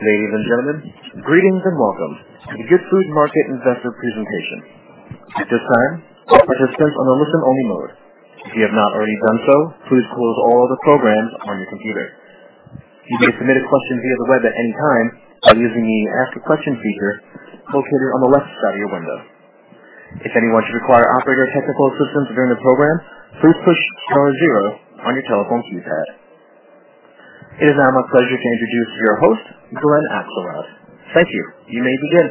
Ladies and gentlemen, greetings and welcome to the Goodfood Market Investor Presentation. At this time, all participants are on a listen-only mode. If you have not already done so, please close all other programs on your computer. You may submit a question via the web at any time by using the "Ask a Question" feature located on the left side of your window. If anyone should require operator technical assistance during the program, please push star zero on your telephone keypad. It is now my pleasure to introduce your host, Glenn Axelrod. Thank you. You may begin.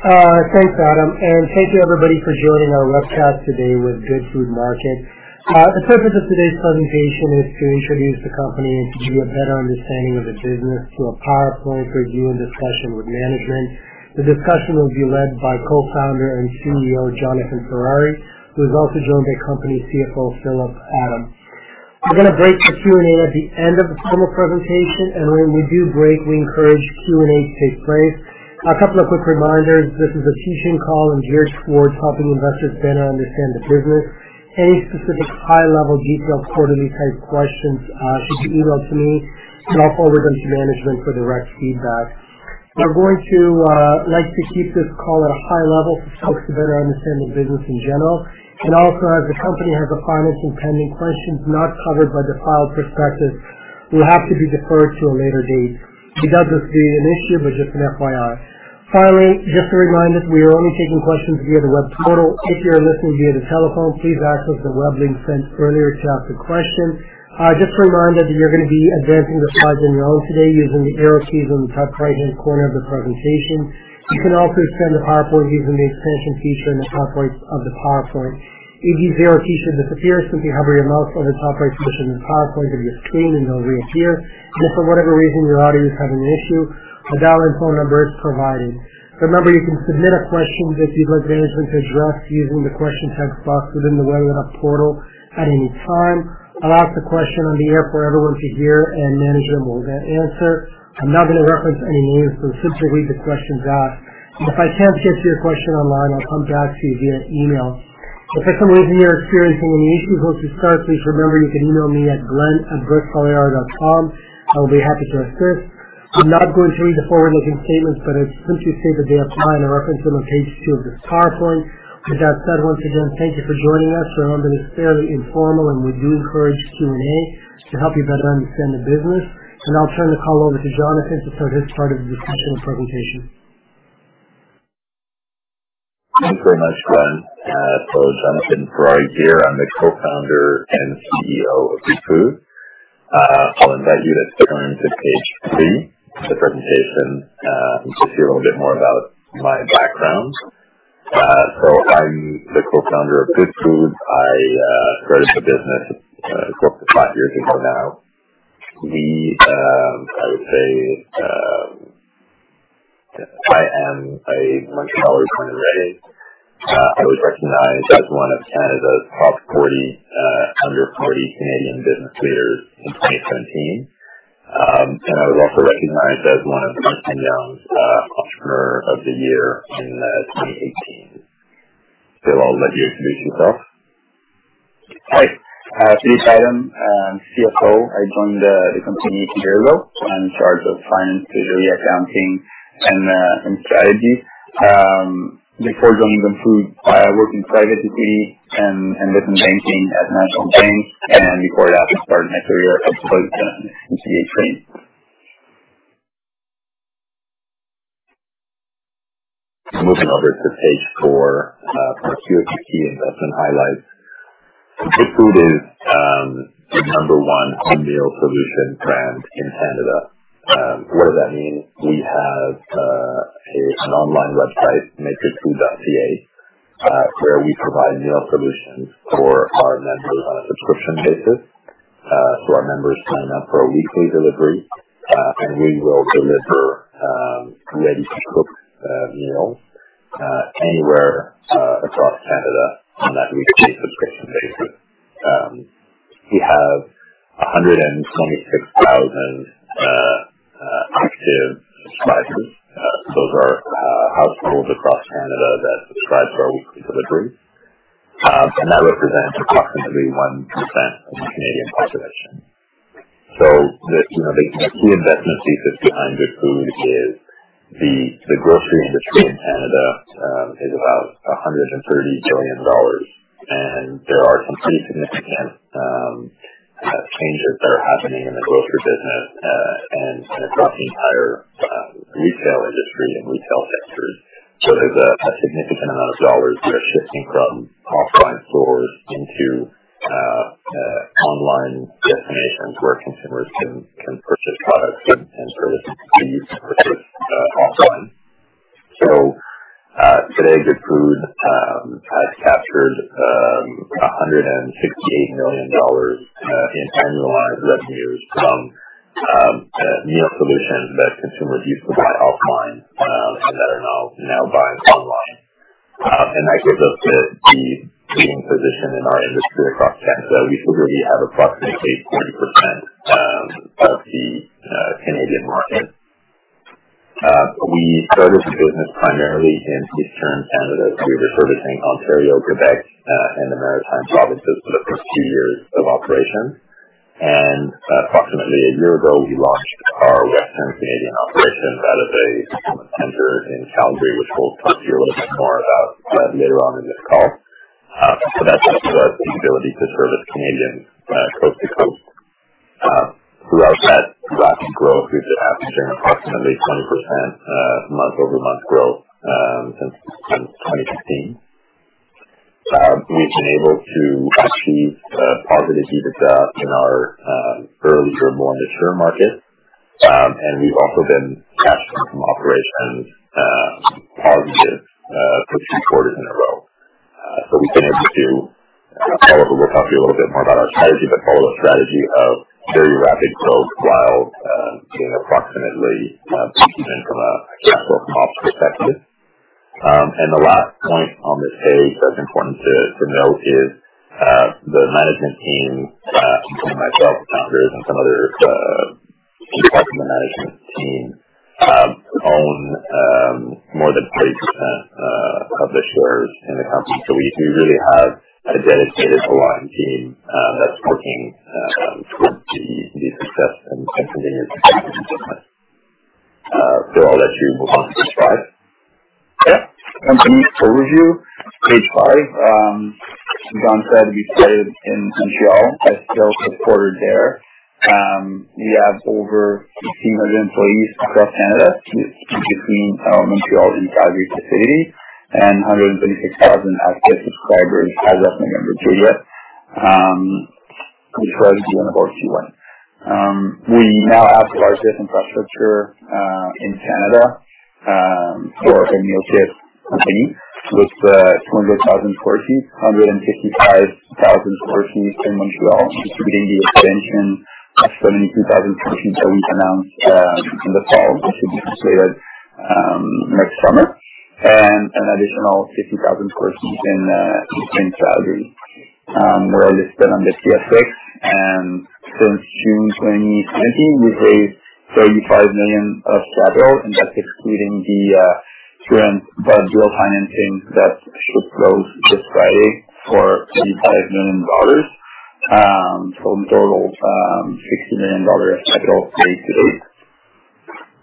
Thanks, Adam, and thank you everybody for joining our webcast today with Goodfood Market. The purpose of today's presentation is to introduce the company and to give a better understanding of the business through a PowerPoint review and discussion with management. The discussion will be led by Co-Founder and CEO, Jonathan Ferrari, who is also joined by company CFO, Philippe Adam. We're going to break for Q&A at the end of the formal presentation, and when we do break, we encourage Q&A to take place. A couple of quick reminders. This is a teaching call and geared towards helping investors better understand the business. Any specific high-level detailed quarterly type questions should be emailed to me, and I'll forward them to management for direct feedback. We're going to like to keep this call at a high level to help us better understand the business in general. Also, as the company has a financing pending, questions not covered by the filed prospectus will have to be deferred to a later date. We doubt this will be an issue, but just an FYI. Finally, just a reminder, we are only taking questions via the web portal. If you are listening via the telephone, please access the web link sent earlier to ask a question. Just a reminder that you're going to be advancing the slides on your own today using the arrow keys on the top right-hand corner of the presentation. You can also expand the PowerPoint using the expansion feature in the top right of the PowerPoint. If these arrow keys should disappear, simply hover your mouse over the top right portion of the PowerPoint on your screen, and they'll reappear. If for whatever reason your audio is having an issue, a dial-in phone number is provided. Remember, you can submit a question that you'd like management to address using the question text box within the Webex portal at any time. I'll ask the question on the air for everyone to hear, and management will then answer. I'm not going to reference any names, we'll simply read the question asked. If I can't get to your question online, I'll come back to you via email. If for some reason you're experiencing any issues once we start, please remember you can email me at glenn@grecolearo.com. I will be happy to assist. I'm not going to read the forward-looking statements, but I simply state that they apply and I reference them on page two of this PowerPoint. With that said, once again, thank you for joining us. Remember, this is fairly informal. We do encourage Q&A to help you better understand the business. I'll turn the call over to Jonathan to start his part of the discussion and presentation. Thank you very much, Glenn. Jonathan Ferrari here. I'm the Co-Founder and CEO of Goodfood. I'll invite you to turn to page three of the presentation. You'll hear a little bit more about my background. I'm the Co-Founder of Goodfood. I started the business close to five years ago now. I am a Montrealer through and through. I was recognized as one of Canada's top under-40 Canadian business leaders in 2017. I was also recognized as one of EY's Entrepreneur of the Year in 2018. I'll let you introduce yourself. Hi. Philippe Adam. I'm CFO. I joined the company two years ago. I'm in charge of finance, treasury, accounting, and strategy. Before joining Goodfood, I worked in private equity and investment banking at National Bank, and before that, I started my career at Deloitte in. Moving over to page four. A few key investment highlights. Goodfood is the number one home meal solution brand in Canada. What does that mean? We have an online website, goodfood.ca, where we provide meal solutions for our members on a subscription basis. Our members sign up for a weekly delivery. We will deliver ready-to-cook meals anywhere across Canada on that weekly subscription basis. We have 126,000 active subscribers. Those are households across Canada that subscribe to our weekly delivery. That represents approximately 1% of the Canadian population. The key investment thesis behind Goodfood is the grocery industry in Canada is about 130 billion dollars. There are some pretty significant changes that are happening in the grocery business and across the entire retail industry and retail sectors. There's a significant amount of CAD that are shifting from offline stores into online destinations where consumers can purchase products and services that they used to purchase offline. Today, Goodfood has captured CAD 168 million in annualized revenues from meal solutions that consumers used to buy offline and that are now buying online. That gives us the leading position in our industry across Canada. We typically have approximately 40% the Canadian market. We started the business primarily in Eastern Canada. We were servicing Ontario, Quebec, and the Maritime provinces for the first two years of operation. Approximately a year ago, we launched our Western Canadian operations out of a fulfillment center in Calgary, which we'll talk to you a little bit more about later on in this call. That's given us the ability to service Canadians coast to coast. Throughout that rapid growth, we've been averaging approximately 20% month-over-month growth since 2015. We've been able to achieve positive EBITDA in our early, more mature market. We've also been cash flow from operations positive for two quarters in a row. We've been able to, and we'll talk to you a little bit more about our strategy, but follow a strategy of very rapid growth while being approximately breakeven from a cash flow from ops perspective. The last point on this page that's important to note is the management team, including myself, the founders, and some other key parts of the management team, own more than 30% of the shares in the company. We really have a dedicated, aligned team that's working for the success and continued success of the business. I'll let you move on to slide five. Yeah. Company overview, page five. As Jon said, we started in Montreal, and still supported there. We have over 1,500 employees across Canada between Montreal and Calgary city, and 126,000 active subscribers as of November 20th, which was one of our Q1. We now have the largest infrastructure in Canada for a meal kit company, with 200,000 sq ft, 155,000 sq ft in Montreal, distributing the expansion of 72,000 sq ft that we announced in the fall, which should be completed next summer, and an additional 15,000 sq ft in Eastern Calgary. We're listed on the TSX. Since June 2017, we've raised 35 million of capital. That's excluding the current dual financing that just closed this Friday for CAD 35 million. In total, CAD 60 million of capital raised to date.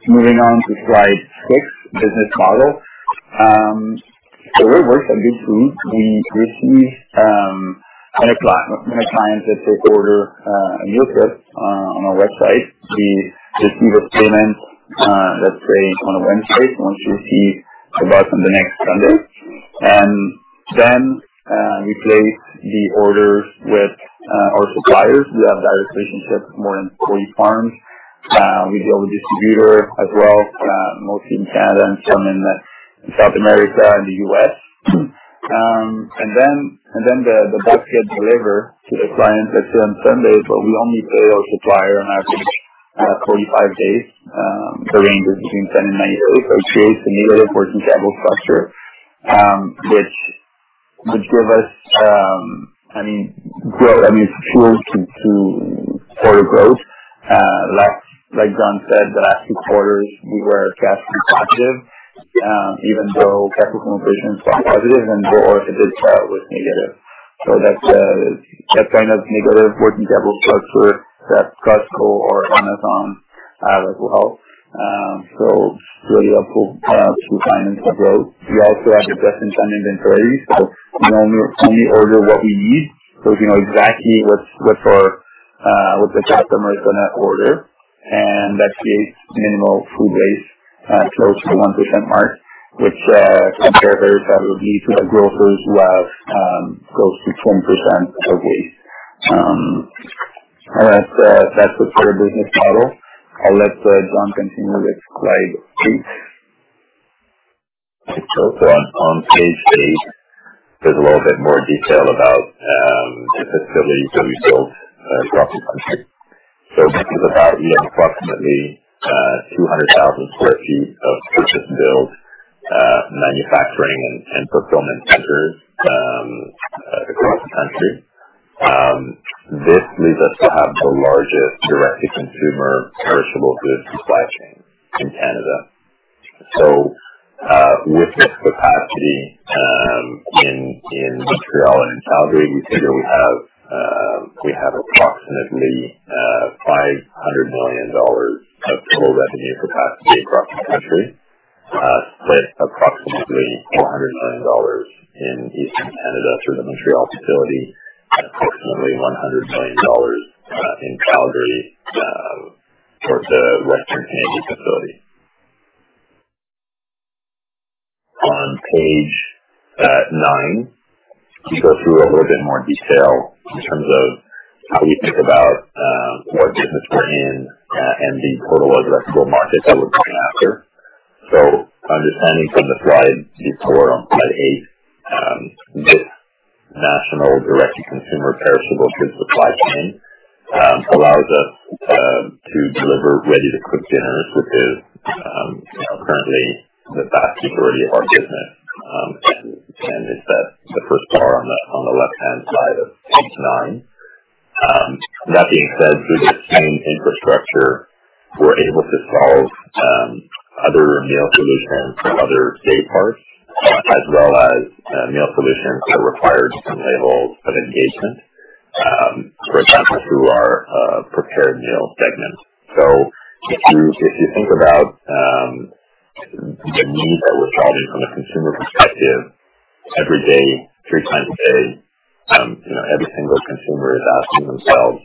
Moving on to slide six, business model. The way it works at Goodfood, when a client places order a meal kit on our website, we receive a payment, let's say on a Wednesday. They want to receive the box on the next Sunday. Then we place the orders with our suppliers. We have direct relationships with more than 40 farms. We deal with distributors as well, mostly in Canada and some in South America and the U.S. Then the box gets delivered to the client, let's say on Sunday, but we only pay our supplier on average 45 days. The range is between 10 and 90 days. It creates a negative working capital structure, which give us fuel to further growth. Like Jon said, the last two quarters we were cash flow positive, even though capital conversion is still positive and the operative did start with negative. That kind of negative working capital structure that Costco or Amazon as well. Really helpful to finance our growth. We also have a just-in-time inventory, so we only order what we need. We know exactly what the customer is going to order, and that creates minimal food waste, close to 1% mark, which competitors that would be to the grocers who have close to 10% waste. That's the core business model. I'll let Jon continue with slide six. On page eight, there's a little bit more detail about the facilities that we've built across the country. This is about, we have approximately 200,000 sq ft of purpose-built manufacturing and fulfillment centers across the country. This leads us to have the largest direct-to-consumer perishable goods supply chain in Canada. With this capacity in Montreal and Calgary, we figure we have approximately 500 million dollars of total revenue capacity across the country, with approximately 400 million dollars in Eastern Canada through the Montreal facility and approximately 100 million dollars in Calgary for the Western Canadian facility. On page nine, we go through a little bit more detail in terms of how we think about what business we're in and the total addressable market that we're going after. Understanding from the slide before, on slide eight, this national direct-to-consumer perishable goods supply chain allows us to deliver ready-to-cook dinners, which is currently the vast majority of our business. It's the first bar on the left-hand side of page nine. That being said, through that same infrastructure, we're able to solve other meal solutions for other day parts, as well as meal solutions that require different levels of engagement, for example, through our prepared meal segment. If you think about the need that we're solving from a consumer perspective, every day, three times a day, every single consumer is asking themselves,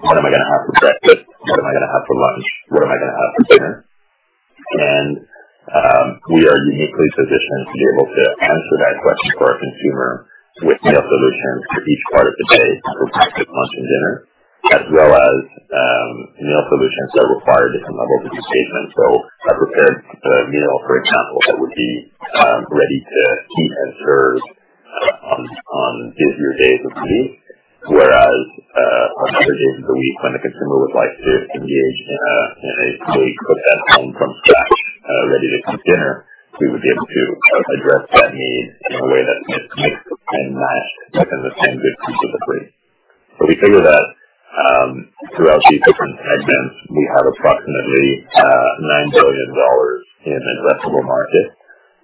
"What am I going to have for breakfast? What am I going to have for lunch? What am I going to have for dinner?" We are uniquely positioned to be able to answer that question for our consumer with meal solutions for each part of the day, for breakfast, lunch, and dinner, as well as meal solutions that require different levels of engagement. A prepared meal, for example, that would be ready to heat and serve on busier days of the week, whereas on other days of the week when the consumer would like to engage in a baked-at-home-from-scratch, ready-to-cook dinner, we would be able to address that need in a way that's mix and match within the same Goodfood delivery. We figure that throughout these different segments, we have approximately 9 billion dollars in addressable market,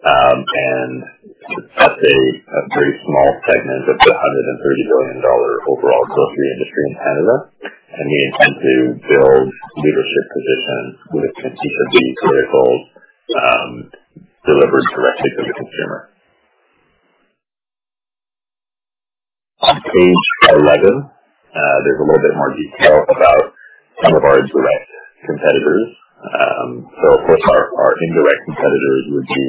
and that's a very small segment of the 130 billion dollar overall grocery industry in Canada. We intend to build leadership position with consistently curated, delivered directly to the consumer. On page 11, there's a little bit more detail about some of our direct competitors. Of course, our indirect competitors would be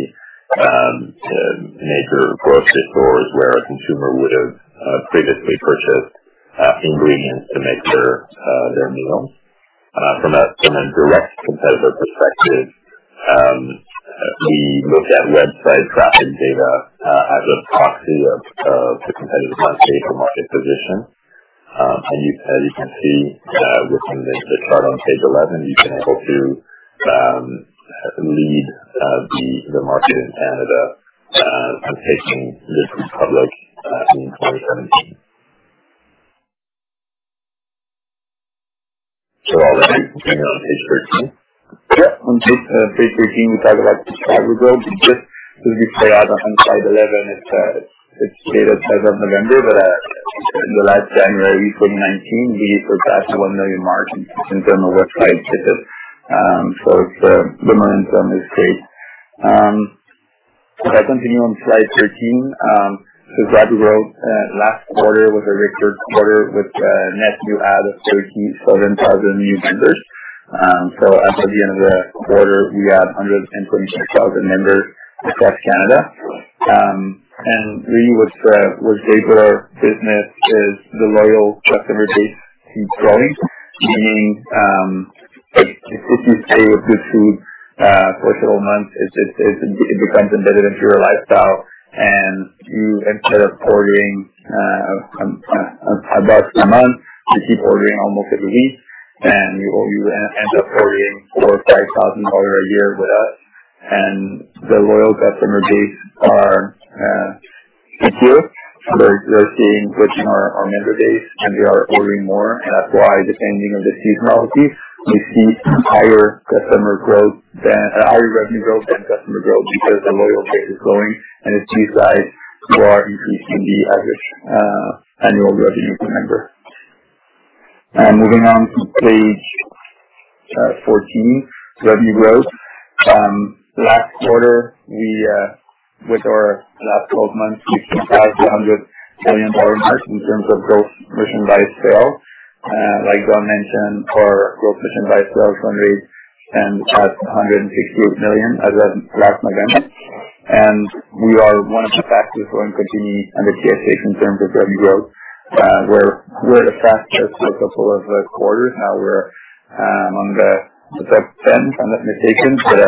the major grocery stores where a consumer would have previously purchased ingredients to make their meals. From a direct competitor perspective, we looked at website traffic data as a proxy of the competitive landscape or market position. As you can see within the chart on page 11, we've been able to lead the market in Canada on pacing delivery public in 2017. All right, continuing on page 13. Yeah. On page 13, we talk about subscriber growth. This will be carried on from slide 11. It's data as of November, but in January 2019, we surpassed the 1 million mark in terms of website visits. The momentum is great. If I continue on slide 13, subscriber growth. Last quarter was a record quarter with a net new add of 37,000 new members. As of the end of the quarter, we have 126,000 members across Canada. Really what's great for our business is the loyal customer base keeps growing, meaning, if you stay with Goodfood for several months, it becomes embedded into your lifestyle, and you, instead of ordering about once a month, you keep ordering almost every week, and you end up ordering 4,000 dollars or 5,000 dollars a year with us. The loyal customer base are key to it. We're seeing growth in our member base, they are ordering more, that's why, depending on the seasonality, we see higher revenue growth than customer growth because the loyal base is growing and it's these guys who are increasing the average annual revenue per member. Moving on to page 14, revenue growth. Last quarter, with our last 12 months, we surpassed the 100 million dollar mark in terms of gross subscription-based sales. Like Jon mentioned, our gross subscription-based sales run rate stands at 168 million as of last November. We are one of the fastest-growing companies under TSX in terms of revenue growth. We're the fastest for a couple of quarters now. We're on the fence, if I'm not mistaken, but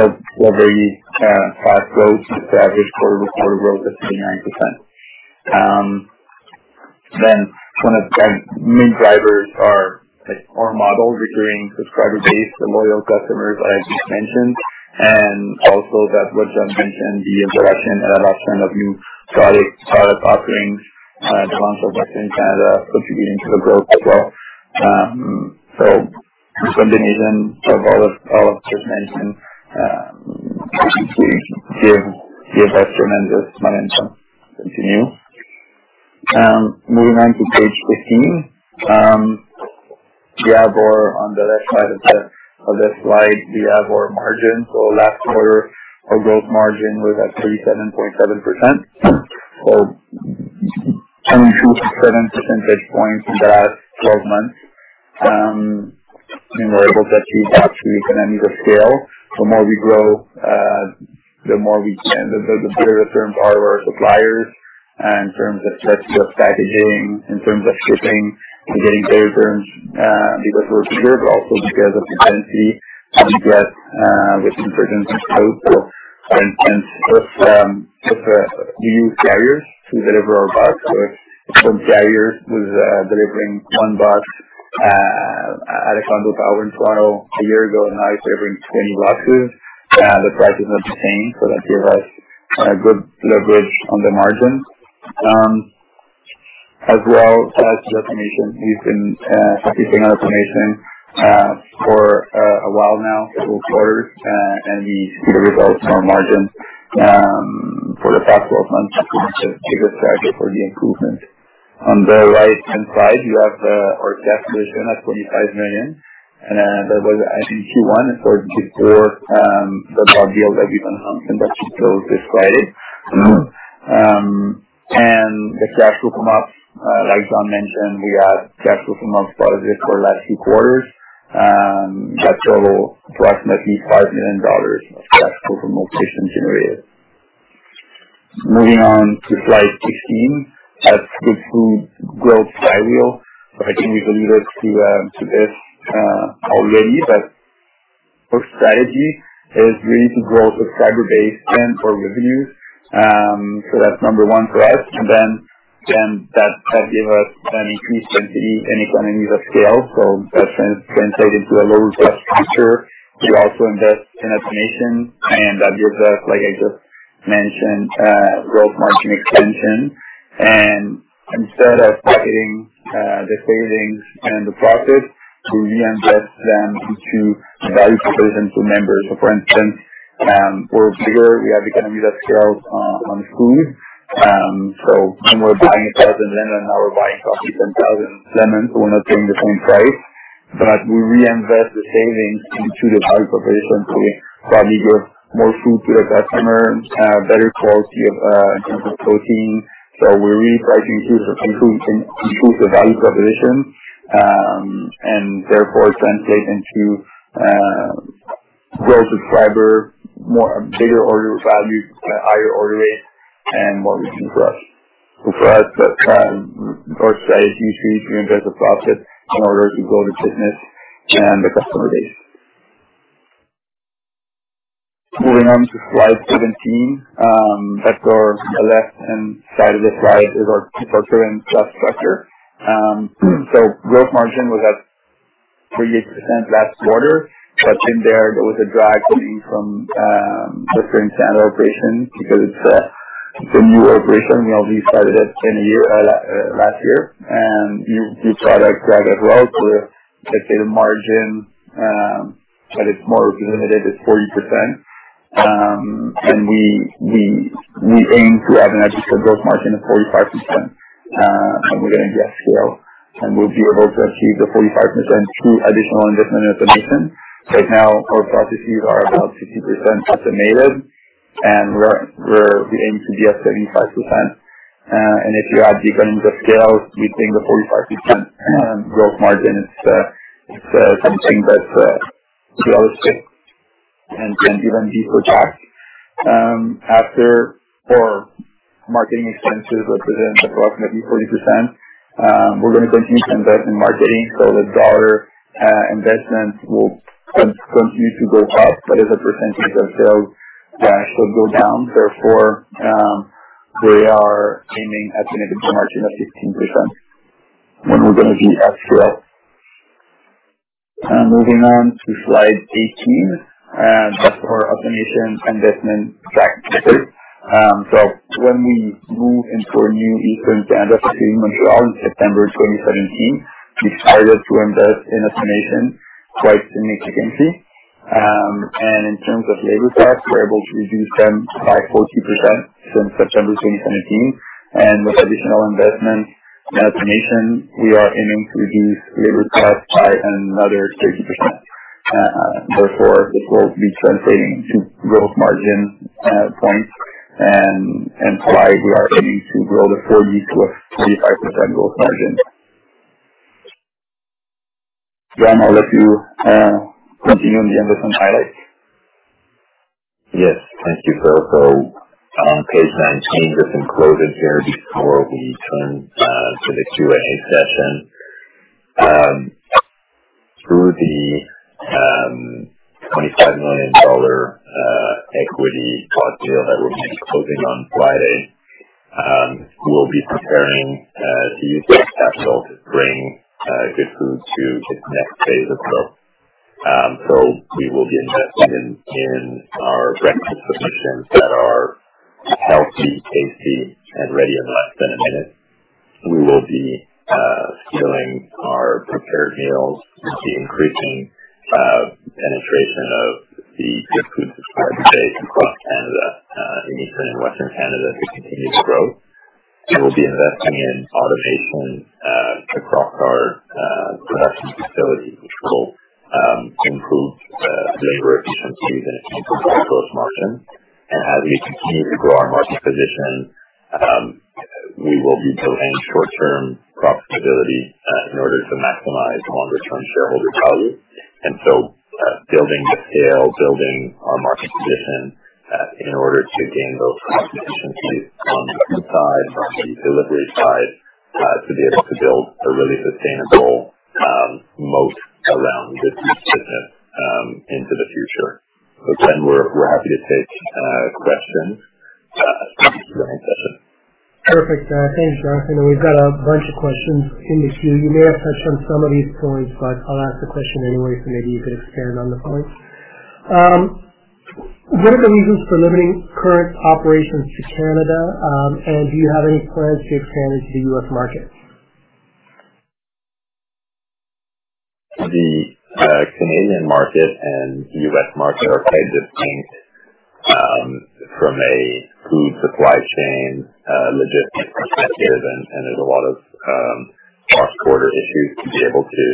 over a 5-year growth, the average quarter-over-quarter growth is 39%. Some of the main drivers are our model, recurring subscriber base, the loyal customers I just mentioned, and also that what Jon mentioned, the introduction and adoption of new product offerings, the launch of Western Canada contributing to the growth as well. This combination of all I've just mentioned, we give back to our members. Moving on to page 15. On the left side of the slide, we have our gross margin. Last quarter, our gross margin was at 37.7%, 27 percentage points in the last 12 months. We're able to achieve actually economies of scale. The more we grow, the better the terms are with our suppliers in terms of structure of packaging, in terms of shipping. We're getting better terms because we're bigger, but also because of the density we get with in-person and code. With the new carriers who deliver our box, if some carrier was delivering one box out of Coquitlam, a year ago, and now he's delivering 20 boxes, the price is not the same. That gives us a good leverage on the margins. As well as automation. We've been focusing on automation for a while now, several quarters, and we see the results on our margin. For the past 12 months, the biggest driver for the improvement. On the right-hand side, you have our cash position at 25 million, and that was, I think, Q1. Before the bond deal that we've announced and that you showed this Friday. The cash flow from ops. Like Jon mentioned, we had cash flow from ops positive for the last few quarters. That total approximately 5 million dollars of cash flow from operations generated. Moving on to slide 16. That's Goodfood growth flywheel. I think we've alluded to this already, but our strategy is really to grow subscriber base and our revenues. That's number 1 for us. Then that give us an increase in economies of scale. That translates into a lower cost structure. We also invest in automation, and that gives us, like I just mentioned, gross margin expansion. Instead of taking the savings and the profits, we reinvest them into value proposition to members. For instance, we're bigger, we have economies of scale on food. When we're buying 1,000 lemons, now we're buying probably 10,000 lemons. We're not paying the same price. We reinvest the savings into the value proposition to probably give more food to the customer, better quality in terms of protein. We're repricing food to improve the value proposition, and therefore translate into grow subscriber, more bigger order values, higher order rates, and more revenue for us. For us, our strategy is really to invest the profit in order to grow the business and the customer base. Moving on to slide 17. At the left-hand side of the slide is our current cost structure. Gross margin was at 38% last quarter. But in there was a drag coming from the Canadian operations because it's a new operation. We only started it in last year. New products drive as well to a margin that is more limited at 40%. We aim to have an adjusted gross margin of 45% when we get to scale, and we'll be able to achieve the 45% through additional investment in automation. Right now, our processes are about 60% automated, and we aim to be at 75%. If you add economies of scale, we think the 45% gross margin is something that we always hit and can even be surpassed. After our marketing expenses represent approximately 40%. We're going to continue to invest in marketing, the dollar investment will continue to go up, but as a percentage of sales should go down. Therefore, we are aiming at an EBITDA margin of 15% when we're going to be at scale. Moving on to slide 18. That's our automation investment track record. When we moved into our new e-fulfilment center facility in Montreal in September 2017, we started to invest in automation quite significantly. In terms of labor costs, we are able to reduce them by 40% since September 2017. With additional investment in automation, we are aiming to reduce labor cost by another 30%. Therefore, this will be translating to gross margin points and is why we are aiming to grow the full year to a 45% gross margin. Jon, I will let you continue. We will take questions. Yes. Thank you, Phil. On page 19, just included here before we turn to the Q&A session. Through the 25 million dollar equity bond deal that we will be closing on Friday, we will be preparing to use this capital to bring Goodfood to its next phase of growth. We will be investing in our ready-to-eat solutions that are healthy, tasty, and ready in less than one minute. We will be scaling our prepared meals and see increasing penetration of the Goodfood subscriber base across Canada, in eastern and Western Canada to continue to grow. We will be investing in automation across our production facilities, which will improve labor efficiencies and improve gross margin. As we continue to grow our market position, we will be delaying short-term profitability in order to maximize longer-term shareholder value. Building the scale, building our market position in order to gain both cost efficiencies on the food side and on the delivery side to be able to build a really sustainable moat around this new business into the future. With that, we are happy to take questions. Thank you for your attention. Perfect. Thanks, Jonathan. We have got a bunch of questions in the queue. You may have touched on some of these points, but I will ask the question anyway, so maybe you can expand on the points. What are the reasons for limiting current operations to Canada, and do you have any plans to expand into the U.S. market? The Canadian market and the U.S. market are quite distinct from a food supply chain logistics perspective, and there's a lot of cross-border issues to be able to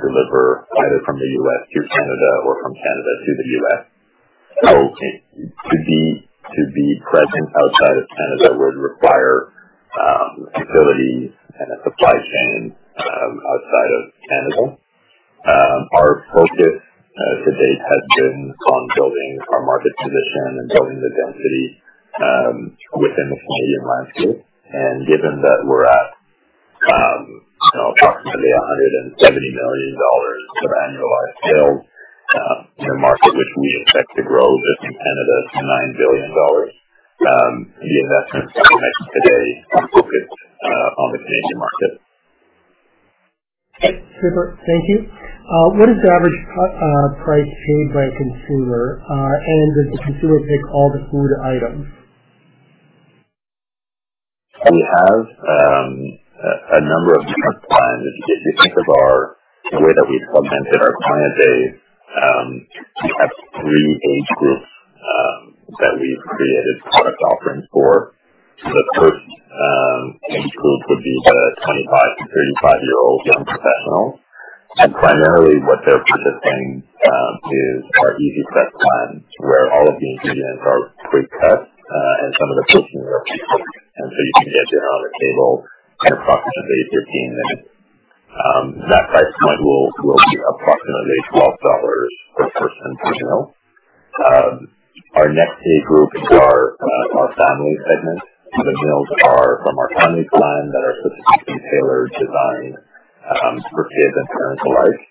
deliver either from the U.S. to Canada or from Canada to the U.S. To be present outside of Canada would require facilities and a supply chain outside of Canada. Our focus to date has been on building our market position and building the density within the Canadian landscape. Given that we're at approximately CAD 170 million of annualized sales in a market which we expect to grow, just in Canada, to 9 billion dollars, the investments that we make today are focused on the Canadian market. Okay. Super. Thank you. What is the average price paid by a consumer, and does the consumer pick all the food items? We have a number of different plans. If you think of the way that we've segmented our client base, we have three age groups that we've created product offerings for. The first age group would be the 25- to 35-year-old young professionals. Primarily what they're purchasing is our Easy Prep plans, where all of the ingredients are pre-cut and some of the cooking is already done. You can get dinner on the table in approximately 15 minutes. That price point will be approximately 12 dollars per person, per meal. Our next key group is our family segment. The meals are from our Family Plan that are specifically tailored, designed for kids and parents alike.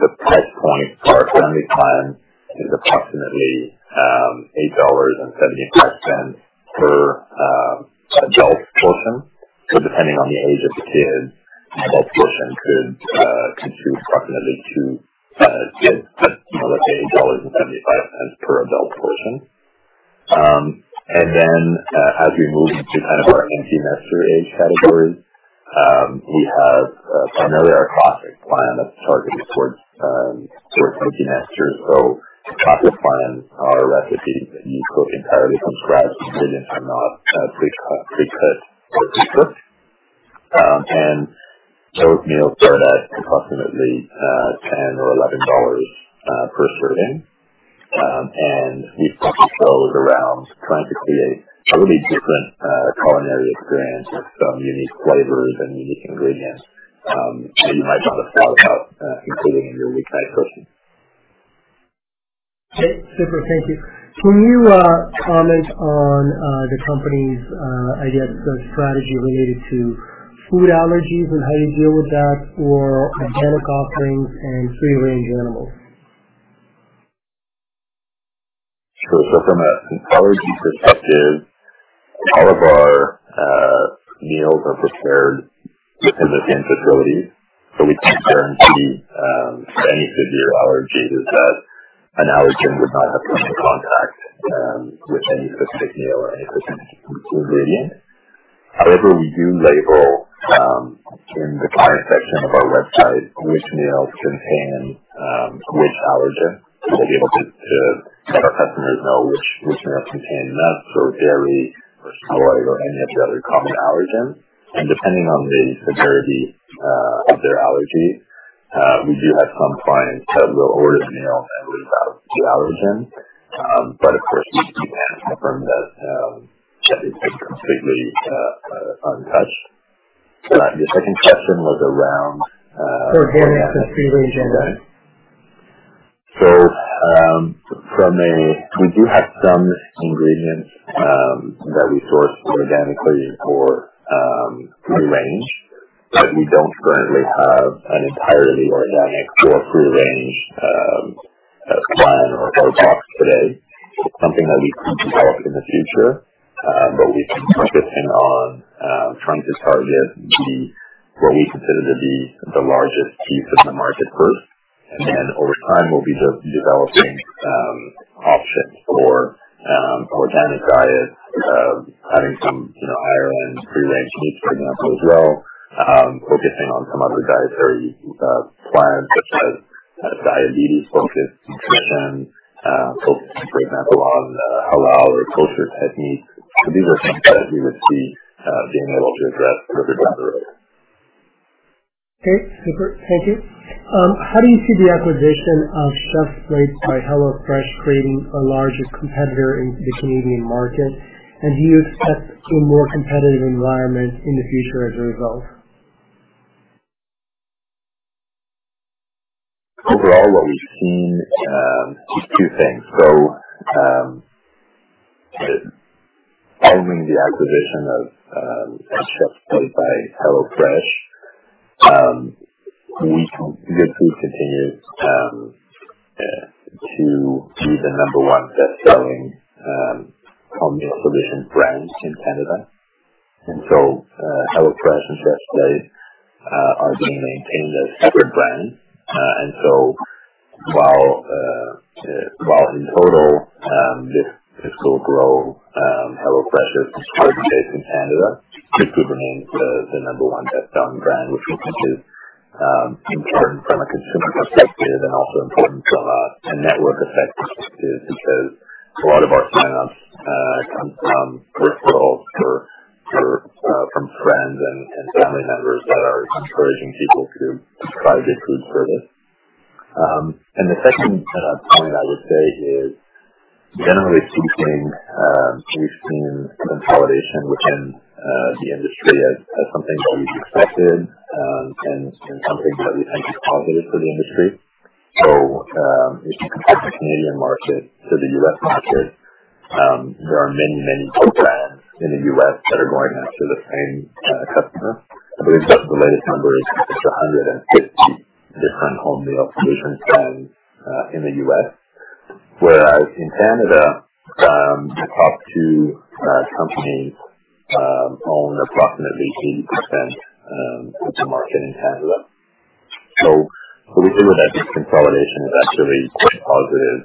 The price point for our Family Plan is approximately CAD 8.75 per adult portion. Depending on the age of the kid, an adult portion could feed approximately two kids at CAD 8.75 per adult portion. As we move into our empty nester age category, we have primarily our Classic Basket that's targeted towards empty nesters. Classic Basket are recipes that you cook entirely from scratch. The ingredients are not pre-cut or pre-cooked. Those meals start at approximately 10 or 11 dollars per serving. The Classic Basket is around trying to create a totally different culinary experience with some unique flavors and unique ingredients that you might not have thought about including in your weeknight cooking. Okay. Super. Thank you. Can you comment on the company's strategy related to food allergies and how you deal with that for organic offerings and free-range animals? Sure. From an allergy perspective, all of our meals are prepared within the same facility. We can't guarantee for any severe allergies that an allergen would not have come into contact with any specific meal or any specific ingredient. However, we do label in the client section of our website which meals contain which allergen, we'll be able to let our customers know which meals contain nuts or dairy or soy or any of the other common allergens. Depending on the severity of their allergy, we do have some clients that will order the meal and leave out the allergen. Of course, we can't confirm that it's completely untouched. The second question was around- For organic and free-range animals. We do have some ingredients that we source organically for free-range, but we don't currently have an entirely organic or free-range plan or box today. Something that we could develop in the future, but we've been focusing on trying to target what we consider to be the largest piece of the market first. Over time, we'll be developing options for organic diets, having some higher-end free-range meats, for example, as well, focusing on some other dietary plans, such as diabetes-focused nutrition, focusing, for example, on halal or kosher techniques. These are some that we would see being able to address further down the road. Okay, super. Thank you. How do you see the acquisition of Chefs Plate by HelloFresh creating a larger competitor in the Canadian market? Do you expect a more competitive environment in the future as a result? Overall, what we've seen is two things. Following the acquisition of Chefs Plate by HelloFresh, Goodfood continues to be the number one best-selling home meal solution brand in Canada. HelloFresh and Chefs Plate are being maintained as separate brands. While in total this fiscal growth, HelloFresh has consolidated Canada to remain the number one best-selling brand, which will continue in turn from a consumer perspective and also important from a network effect perspective, because a lot of our sign-ups come from referrals from friends and family members that are encouraging people to try the food service. The second point I would say is, generally speaking, we've seen some consolidation within the industry as something that we've expected and something that we think is positive for the industry. If you compare the Canadian market to the U.S. market, there are many, many programs in the U.S. that are going after the same customer. I believe the latest number is 150 different home meal solution brands in the U.S. Whereas in Canada, the top two companies own approximately 80% of the market in Canada. We view that this consolidation is actually quite positive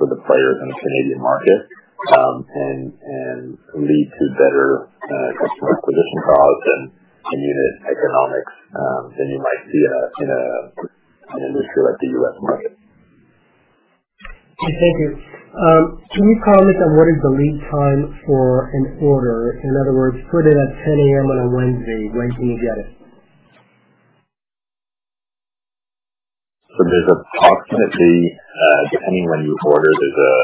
for the players in the Canadian market and lead to better customer acquisition costs and unit economics than you might see in an industry like the U.S. market. Thank you. Can you comment on what is the lead time for an order? In other words, put it at ten A.M. on a Wednesday. When can you get it? There's approximately, depending when you order, there's a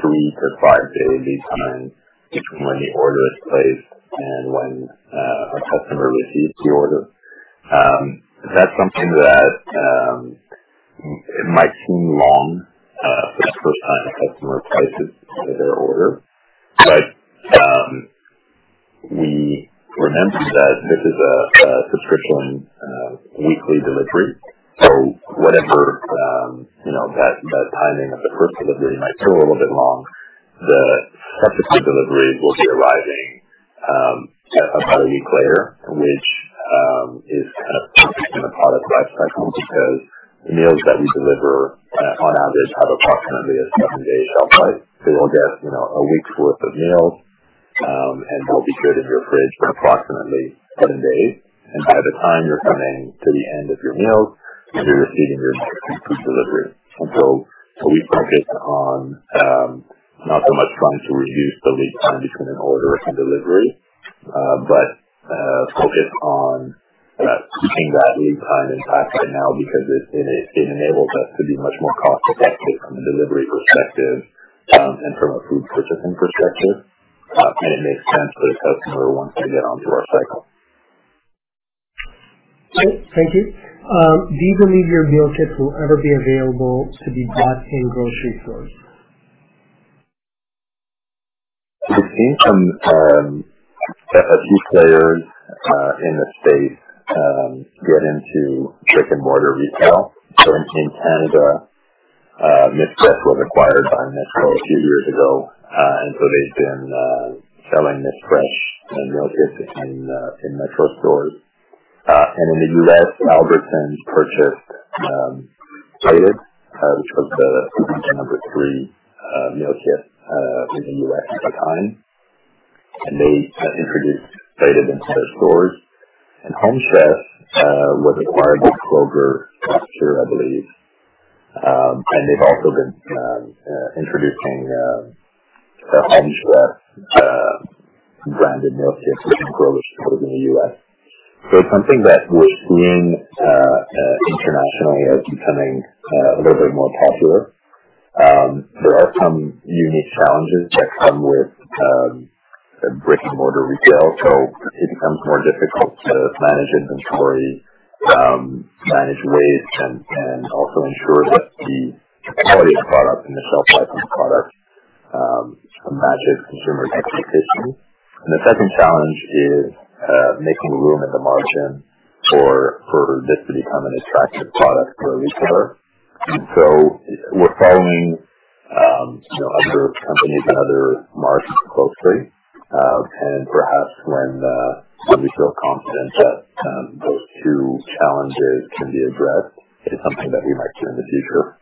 3- to 5-day lead time between when the order is placed and when a customer receives the order. That's something that might seem long for the first time a customer places their order. We remind them that this is a subscription weekly delivery. Whatever that timing of the first delivery might feel a little bit long, the subsequent deliveries will be arriving about a week later. Which is kind of perfect in a product life cycle, because the meals that we deliver on average have approximately a 7-day shelf life. You'll get a week's worth of meals, and they'll be good in your fridge for approximately 7 days. By the time you're coming to the end of your meals, you're receiving your next week's delivery. We focus on not so much trying to reduce the lead time between an order and delivery. Focus on keeping that lead time intact right now because it enables us to be much more cost effective from a delivery perspective and from a food purchasing perspective. It makes sense for the customer once they get onto our cycle. Great. Thank you. Do you believe your meal kits will ever be available to be bought in grocery stores? We've seen some key players in the space get into brick-and-mortar retail. In Canada, MissFresh was acquired by Metro a few years ago. They've been selling MissFresh meal kits in Metro stores. In the U.S., Albertsons purchased Plated, which was the number 3 meal kit in the U.S. at the time. They introduced Plated into their stores. Home Chef was acquired by Kroger last year, I believe. They've also been introducing Home Chef branded meal kits within Kroger stores in the U.S. It's something that we're seeing internationally as becoming a little bit more popular. There are some unique challenges that come with brick-and-mortar retail. It becomes more difficult to manage inventory, manage waste, and also ensure that the quality of the product and the shelf life of the product matches consumers' expectations. The second challenge is making room in the margin for this to become an attractive product for a retailer. So we're following other companies in other markets closely. Perhaps when we feel confident that those two challenges can be addressed, it's something that we might do in the future.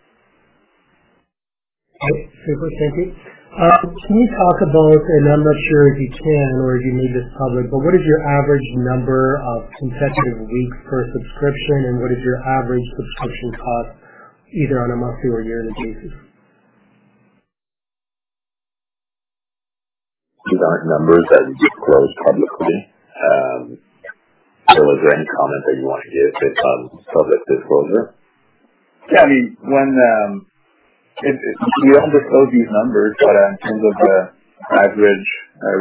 Great. Super. Thank you. Can you talk about, I'm not sure if you can or if you need this public, what is your average number of consecutive weeks per subscription, and what is your average subscription cost, either on a monthly or yearly basis? These aren't numbers that we disclose publicly. Philippe, is there any comment that you want to give based on public disclosure? Yeah. We don't disclose these numbers, in terms of the average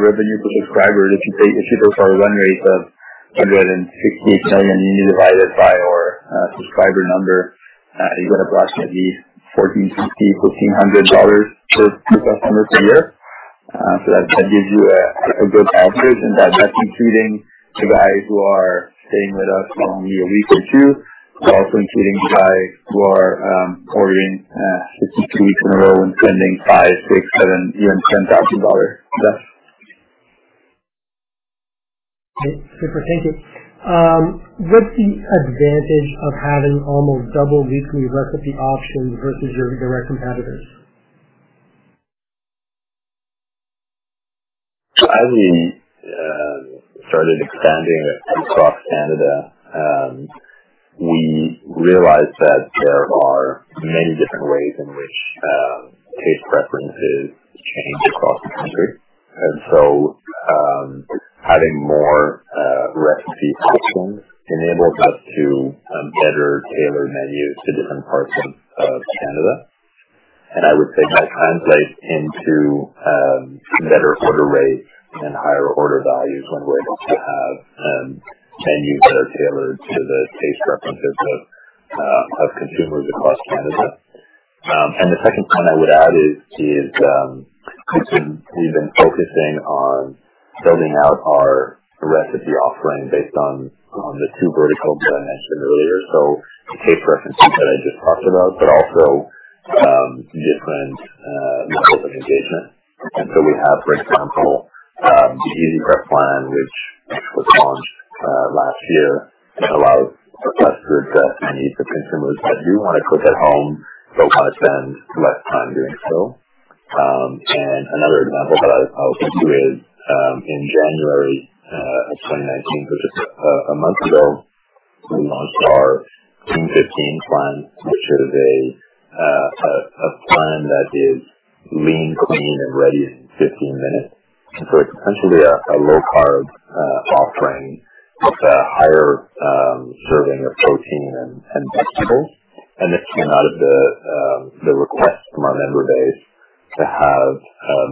revenue per subscriber, if you look at our run rate of 168 million, you divide it. That subscriber number, you get approximately 1,400-1,500 dollars per customer per year. That gives you a good average. That's including the guys who are staying with us on only a week or two. It's also including guys who are ordering 50 weeks in a row and spending 5,000, 6,000, 7,000, even CAD 10,000 with us. Great. Super. Thank you. What's the advantage of having almost double weekly recipe options versus your direct competitors? As we started expanding across Canada, we realized that there are many different ways in which taste preferences change across the country. Having more recipe options enables us to better tailor menus to different parts of Canada. I would say that translates into better order rates and higher order values when we're able to have menus that are tailored to the taste preferences of consumers across Canada. The second point I would add is, we've been focusing on building out our recipe offering based on the two verticals that I mentioned earlier. The taste preferences that I just talked about, but also different models of engagement. We have, for example, the Easy Prep plan, which actually was launched last year and allows for consumers that do want to cook at home, but want to spend less time doing so. Another example that I'll give you is, in January of 2019, just a month ago, we launched our Clean15 plan, which is a plan that is lean, clean, and ready in 15 minutes. It's essentially a low-carb offering with a higher serving of protein and vegetables. This came out of the request from our member base to have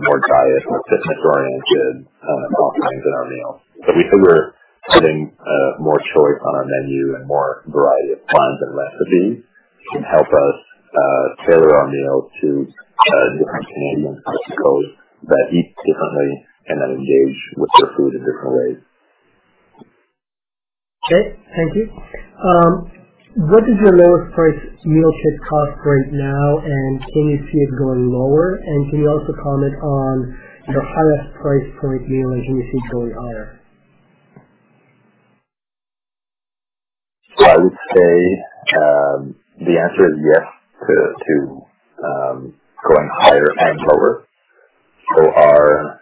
more diet, more fitness-oriented offerings in our meals. We feel we're putting more choice on our menu and more variety of plans and recipes can help us tailor our meals to different Canadians that eat differently and that engage with their food in different ways. Okay, thank you. What is your lowest priced meal kit cost right now, and can you see it going lower? Can you also comment on your highest priced point meal and can you see it going higher? I would say the answer is yes to going higher and lower. Our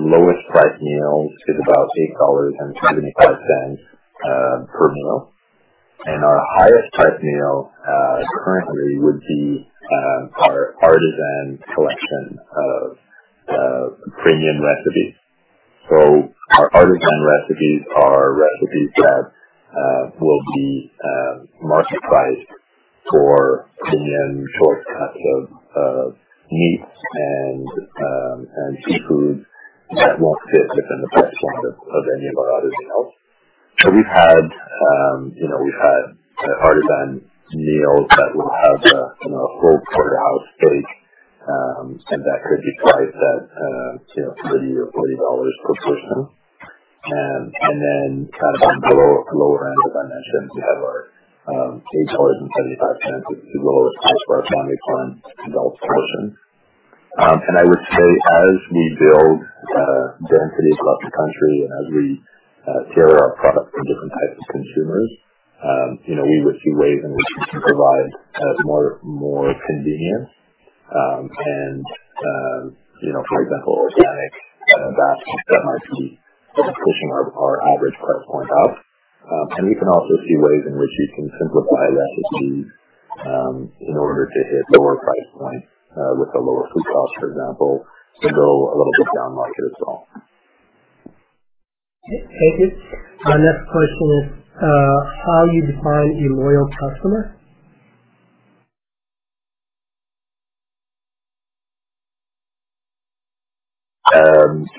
lowest priced meal is about 8.75 dollars per meal. Our highest priced meal currently would be our Artisan collection of premium recipes. Our Artisan recipes are recipes that will be market priced for premium shortcuts of meats and seafood that won't fit within the price point of any of our other meals. We've had Artisan meals that will have a whole porterhouse steak, and that could be priced at 30 or 40 dollars per portion. On the lower end, as I mentioned, we have our CAD 8.75, which is the lowest price for our Family Plan, adult portion. I would say as we build density across the country and as we tailor our product for different types of consumers, we would see ways in which we can provide more convenience. For example, organic baskets that might be pushing our average price point up. We can also see ways in which we can simplify recipes in order to hit lower price points with a lower food cost, for example, and go a little bit down market as well. Thank you. Our next question is, how you define a loyal customer?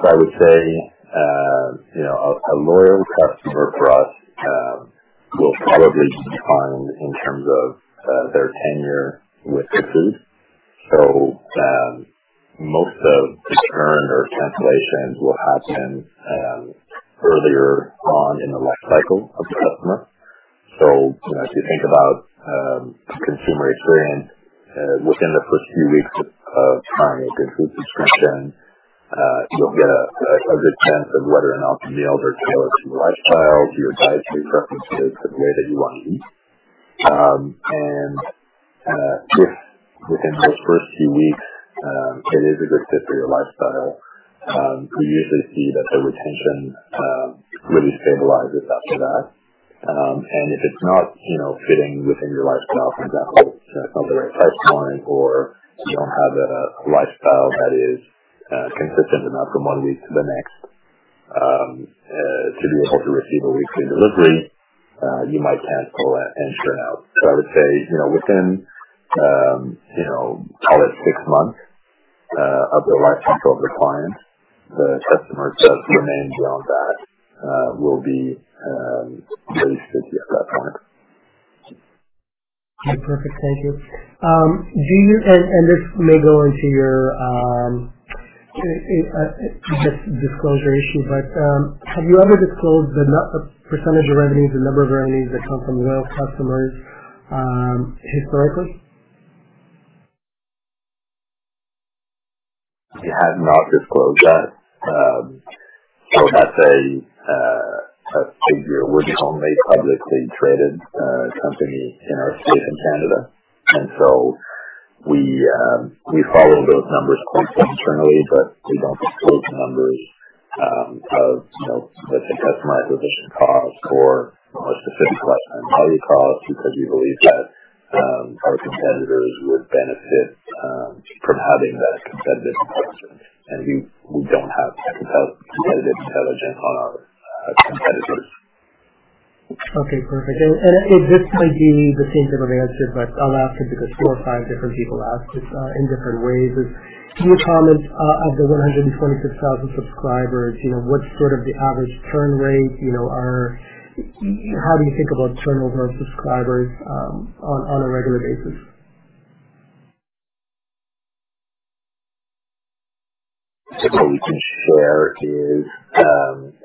I would say, a loyal customer for us will probably be defined in terms of their tenure with Goodfood. Most of the churn or cancellations will happen earlier on in the life cycle of the customer. If you think about the consumer experience within the first few weeks of starting a Goodfood subscription, you'll get a good sense of whether or not the meals are tailored to your lifestyle, your dietary preferences, the way that you want to eat. If within those first few weeks it is a good fit for your lifestyle, we usually see that the retention really stabilizes after that. If it's not fitting within your lifestyle, for example, it's not the right price point or you don't have a lifestyle that is consistent enough from one week to the next to be able to receive a weekly delivery, you might cancel and churn out. I would say within, call it six months of the lifetime value of the client. The customers that remain beyond that will be really stable at that time. Okay, perfect. Thank you. This may go into your disclosure issue, but have you ever disclosed the % of revenues, the number of revenues that come from those customers historically? We have not disclosed that. That's a figure. We're the only publicly traded company in our space in Canada, we follow those numbers closely internally, but we don't disclose numbers of the customer acquisition costs or specific lifetime value costs because we believe that our competitors would benefit from having that competitive edge. We don't have competitive intelligence on our competitors. Okay, perfect. This might be the same type of answer, but I'll ask it because four or five different people asked it in different ways. Can you comment, of the 126,000 subscribers, what's the average churn rate? How do you think about churn over subscribers on a regular basis? What we can share is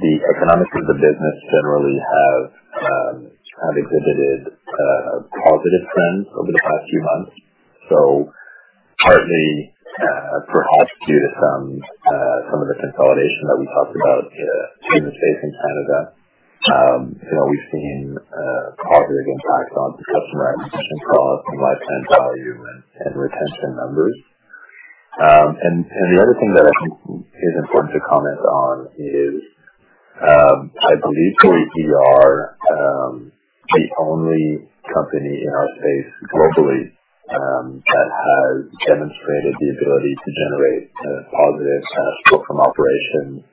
the economics of the business generally have exhibited a positive trend over the past few months. Partly perhaps due to some of the consolidation that we talked about in the space in Canada. We've seen a positive impact on customer acquisition costs and lifetime value and retention numbers. The other thing that I think is important to comment on is, I believe we are the only company in our space globally that has demonstrated the ability to generate a positive cash flow from operations.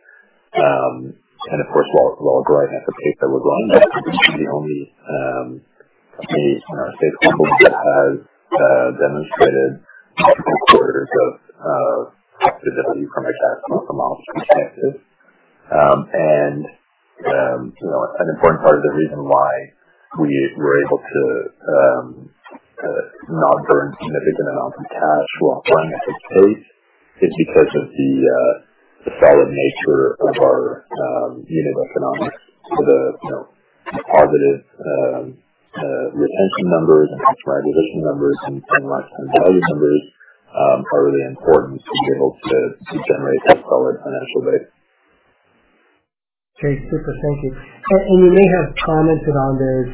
Of course, while growing at the pace that we're growing at, we're probably the only company in our space globally that has demonstrated multiple quarters of positivity from a cash flow from operations perspective. An important part of the reason why we were able to not burn significant amounts of cash while growing at this pace is because of the solid nature of our unit economics. The positive retention numbers and customer acquisition numbers and lifetime value numbers are really important to be able to generate that solid financial base. Okay. Super. Thank you. You may have commented on this,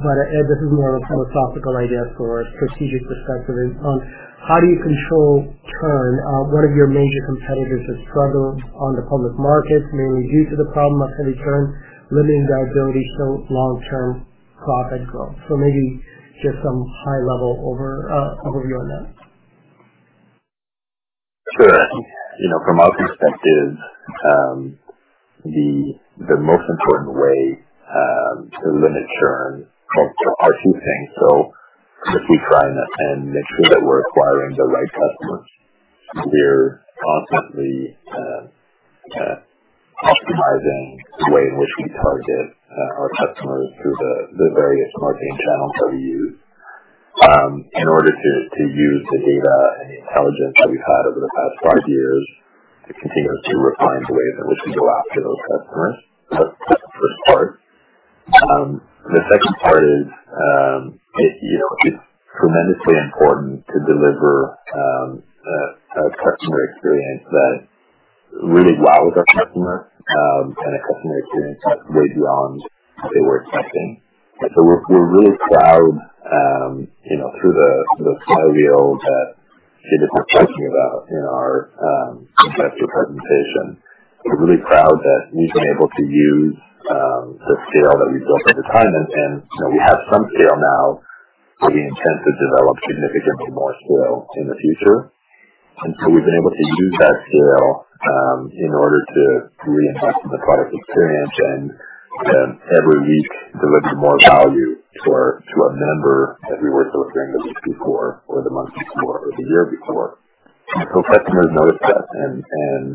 but this is more of a philosophical idea for a strategic perspective on how do you control churn. One of your major competitors has struggled on the public markets, mainly due to the problem of heavy churn limiting their ability to show long-term profit growth. Maybe just some high-level overview on that. Sure. From our perspective, the most important way to limit churn comes from two things. We keep trying and make sure that we're acquiring the right customer. We're constantly customizing the way in which we target our customers through the various marketing channels that we use in order to use the data and the intelligence that we've had over the past five years to continue to refine the way in which we go after those customers. That's the first part. The second part is it's tremendously important to deliver a customer experience that resonates well with our customer and a customer experience that's way beyond what they were expecting. We're really proud through the flywheel that Jennifer was talking about in our investor presentation. We're really proud that we've been able to use the scale that we've built over time. We have some scale now, but we intend to develop significantly more scale in the future. We've been able to use that scale in order to reinvest in the product experience and every week deliver more value to a member than we were delivering the week before or the month before or the year before. Customers notice that, and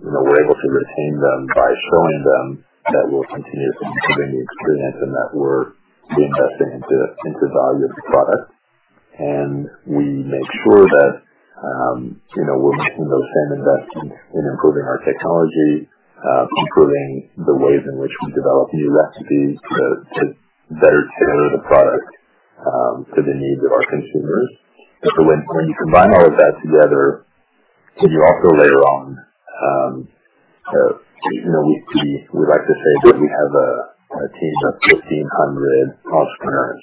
we're able to retain them by showing them that we're continuously improving the experience and that we're reinvesting into the value of the product. We make sure that we're making those same investments in improving our technology, improving the ways in which we develop new recipes to better tailor the product to the needs of our consumers. When you combine all of that together and you also layer on, we like to say that we have a team of 1,500 entrepreneurs.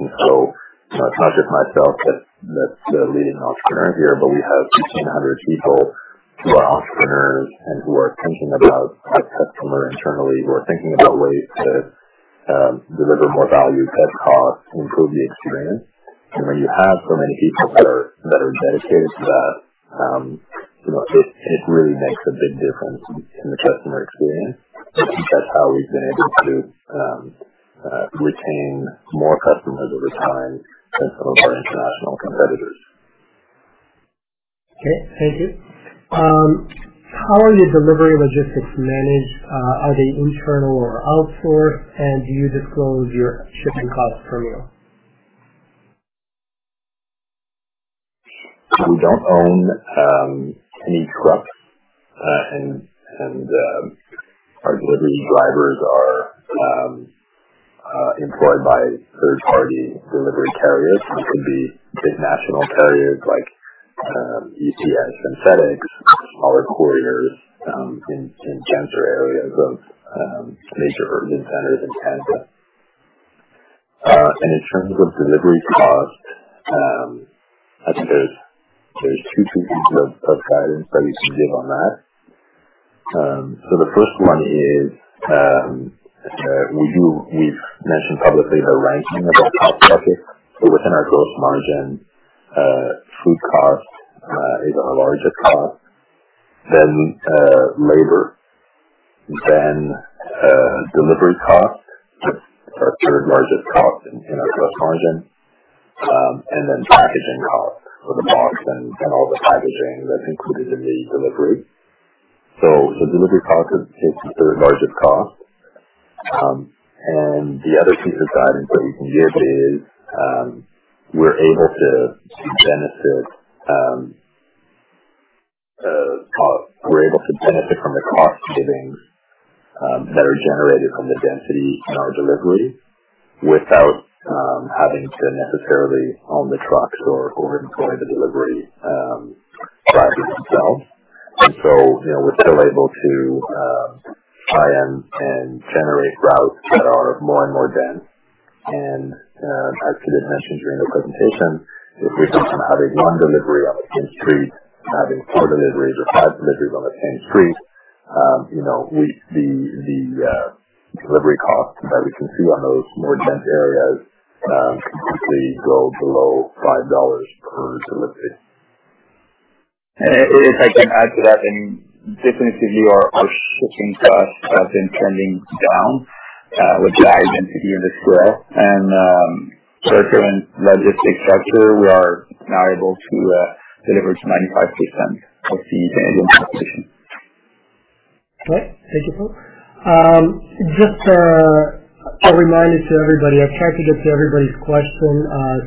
It's not just myself that's the leading entrepreneur here, but we have 1,500 people who are entrepreneurs and who are thinking about the customer internally, who are thinking about ways to deliver more value, cut costs, improve the experience. When you have so many people that are dedicated to that, it really makes a big difference in the customer experience. I think that's how we've been able to retain more customers over time than some of our international competitors. Okay. Thank you. How are your delivery logistics managed? Are they internal or outsourced? Do you disclose your shipping cost per meal? We don't own any trucks. Our delivery drivers are employed by third-party delivery carriers. They can be big national carriers like UPS and FedEx, or smaller couriers in denser areas of major urban centers in Canada. In terms of delivery cost, I think there's two pieces of guidance that we can give on that. The first one is, we've mentioned publicly in our ranking of our top buckets that within our gross margin, food cost is our largest cost, then labor, then delivery cost, that's our third-largest cost in our gross margin, and then packaging cost for the box and all the packaging that's included in the delivery. The delivery cost is the third-largest cost. The other piece of guidance that we can give is, we're able to benefit from the cost savings that are generated from the density in our delivery without having to necessarily own the trucks or employ the delivery drivers themselves. We're still able to try and generate routes that are more and more dense. As Khalid mentioned during the presentation, if we went from having one delivery on the same street to having four deliveries or five deliveries on the same street, the delivery cost that we can see on those more dense areas can quickly go below CAD 5 per delivery. If I can add to that, definitely our shipping cost has been trending down with the high density in the square. With our current logistic structure, we are now able to deliver to 95% of the Canadian population. Okay. Thank you, Paul. Just a reminder to everybody, I tried to get to everybody's question.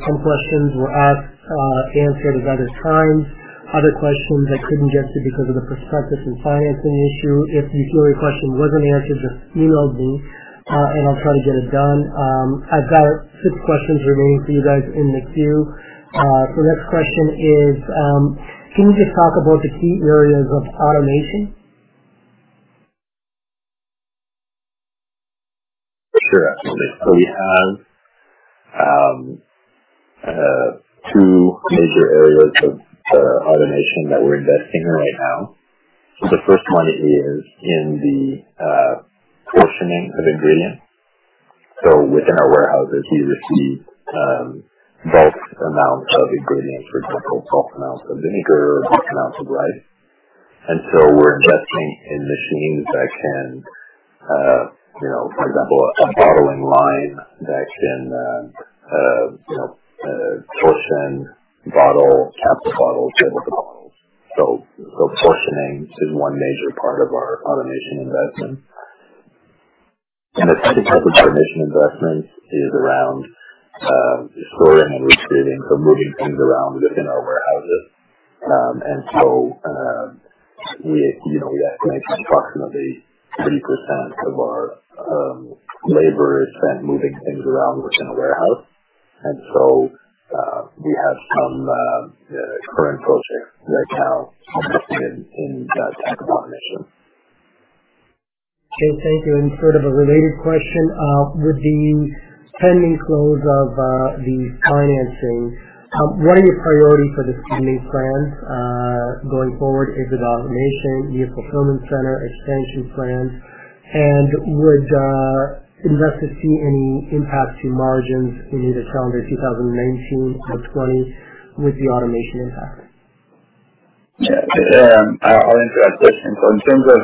Some questions were asked, answered at other times. Other questions I couldn't get to because of the prospectus and financing issue. If you feel your question wasn't answered, just email me and I'll try to get it done. I've got six questions remaining for you guys in the queue. The next question is, can you just talk about the key areas of automation? Sure. Absolutely. We have two major areas of automation that we're investing in right now. The first one is in the portioning of ingredients. Within our warehouses, we receive bulk amounts of ingredients. For example, bulk amounts of vinegar or bulk amounts of rice. We're investing in machines that can, for example, a bottling line that can portion, bottle, cap the bottles, label the bottles. Portioning is one major part of our automation investment. The second type of automation investment is around storing and restating, so moving things around within our warehouses. We estimate approximately 30% of our labor is spent moving things around within the warehouse. We have some current projects right now invested in that type of automation. Okay, thank you. Sort of a related question, with the pending close of the financing, what are your priorities for this company's plans going forward? Is it automation, new fulfillment center, expansion plans? Would investors see any impact to margins in either calendar 2019 or 2020 with the automation impact? Yeah. I'll answer that question. In terms of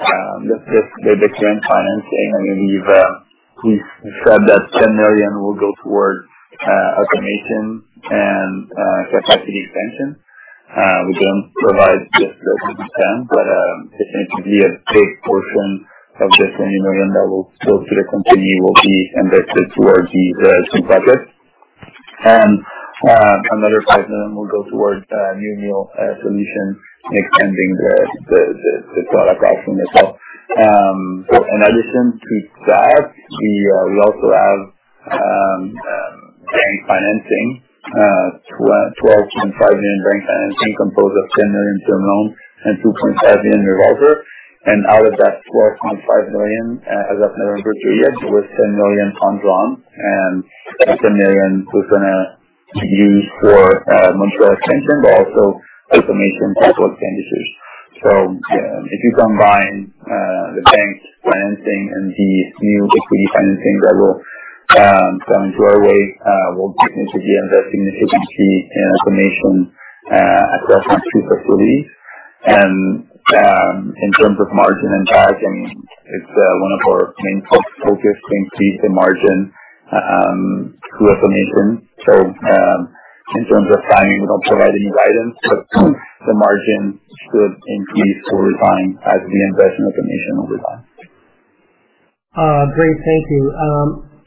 this big equity financing, we've said that 10 million will go towards automation and capacity expansion. We don't provide the specific percent, but it can be a big portion of this 20 million that will go to the company will be invested towards these two buckets. Another 5 million will go towards new meal solutions and extending the product offering as well. In addition to that, we also have bank financing, 12.5 million bank financing composed of 10 million term loan and 2.5 million revolver. Out of that 12.5 million, as of November 30th, it was 10 million drawn, and that 10 million was going to be used for Montreal expansion, but also automation capital expenditures. If you combine the bank financing and the new equity financing that will come our way, will get me to be investing a significant amount in automation at restaurant speed of release. In terms of margin impact, I mean, it's one of our main focus to increase the margin through automation. In terms of timing, we don't provide any guidance, but the margin should increase over time as the investment automation will decline. Great. Thank you.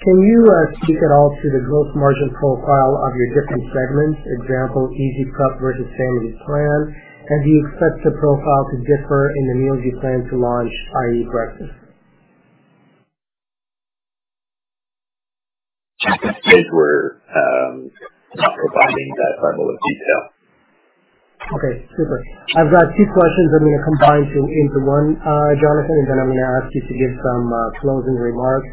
Can you speak at all to the gross margin profile of your different segments? Example, Easy Prep versus Family Plan. Do you expect the profile to differ in the meals you plan to launch, i.e., breakfast? Check the slides. We're not providing that level of detail. Okay, super. I've got two questions I'm going to combine into one, Jonathan, then I'm going to ask you to give some closing remarks.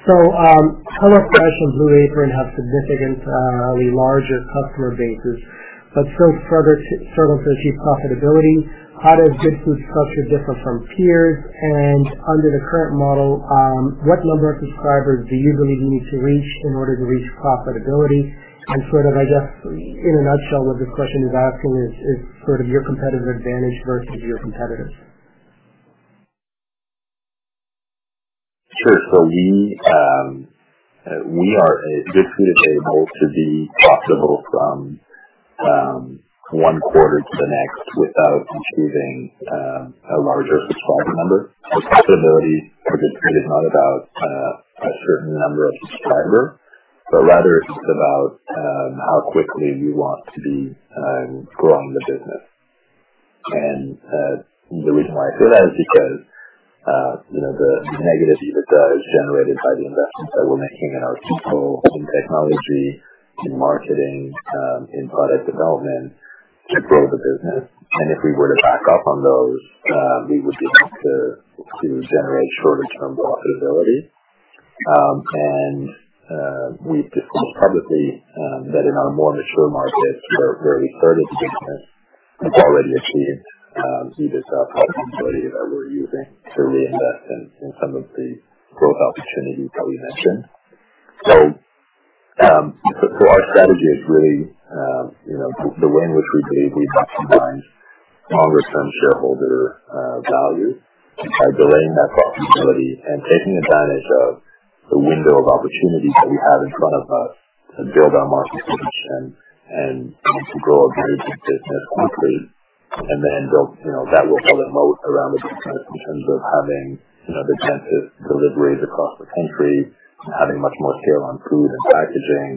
A ton of questions. Blue Apron have significantly larger customer bases, but struggle to achieve profitability. How does Goodfood's structure differ from peers? Under the current model, what number of subscribers do you believe you need to reach in order to reach profitability? I guess, in a nutshell, what this question is asking is sort of your competitive advantage versus your competitors. Sure. Goodfood is able to be profitable from one quarter to the next without achieving a larger subscriber number. Profitability for Goodfood is not about a certain number of subscribers, but rather it's just about how quickly we want to be growing the business. The reason why I say that is because the negative EBITDA is generated by the investments that we're making in our people, in technology, in marketing, in product development to grow the business. If we were to back off on those, we would be able to generate shorter term profitability. We've discussed publicly that in our more mature markets where we've started the business, it's already achieving EBITDA profitability that we're using to reinvest in some of the growth opportunities that we mentioned. Our strategy is really the way in which we believe we maximize longer term shareholder value by delaying that profitability and taking advantage of the window of opportunity that we have in front of us to build our market position and to grow a very big business quickly. That will build a moat around the business in terms of having the densest deliveries across the country, having much more scale on food and packaging,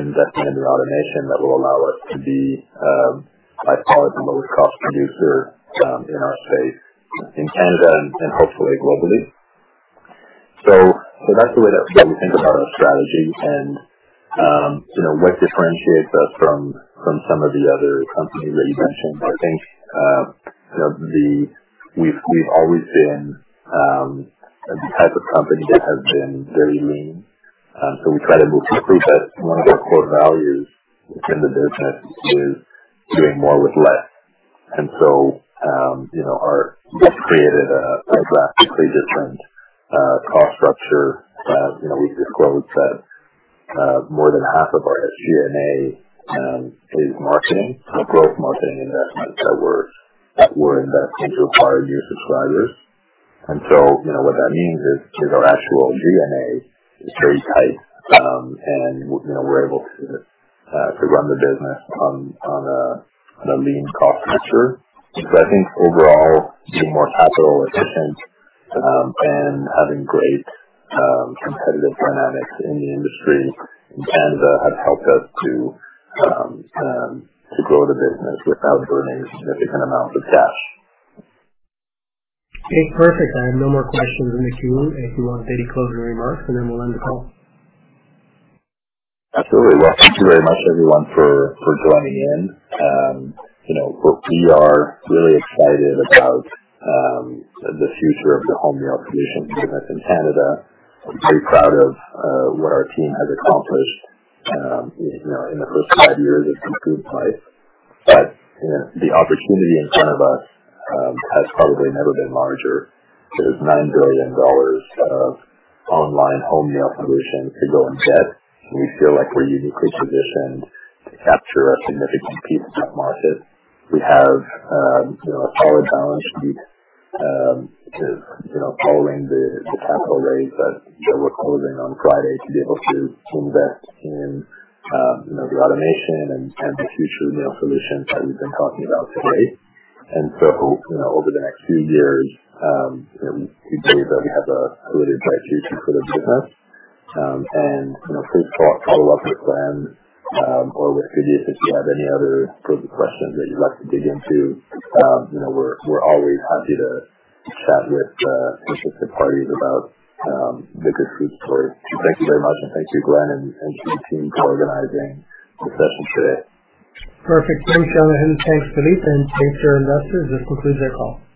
investing into automation that will allow us to be by far the lowest cost producer in our space in Canada and hopefully globally. That's the way we think about our strategy and what differentiates us from some of the other companies that you mentioned. I think we've always been the type of company that has been very lean. We try to move quickly, but one of our core values within the business is doing more with less. We have created a drastically different cost structure. We've disclosed that more than half of our SG&A is marketing. Growth marketing investments that we're investing to acquire new subscribers. What that means is our actual G&A is very tight, and we're able to run the business on a lean cost structure. I think overall, being more capital efficient and having great competitive dynamics in the industry in Canada have helped us to grow the business without burning a significant amount of cash. Okay, perfect. I have no more questions in the queue. If you want to give any closing remarks, and then we'll end the call. Absolutely. Well, thank you very much, everyone, for joining in. We are really excited about the future of the home meal solution business in Canada. I'm very proud of what our team has accomplished in the first five years of Goodfood. The opportunity in front of us has probably never been larger. There's 9 billion dollars of online home meal solutions to go and get. We feel like we're uniquely positioned to capture a significant piece of that market. We have a solid balance sheet to pulling the capital raise that we're closing on Friday to be able to invest in the automation and the future meal solutions that we've been talking about today. Over the next few years, we believe that we have a really bright future for the business. Please follow up with Glenn or with Vidya if you have any other sort of questions that you'd like to dig into. We're always happy to chat with interested parties about the Goodfood story. Thank you very much, and thank you, Glenn, and to your team for organizing the session today. Perfect. Thanks, Jonathan. Thanks, Philippe. Thanks to our investors. This concludes our call.